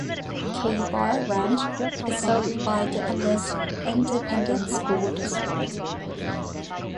K-Bar Ranch is served by the Alice Independent School District.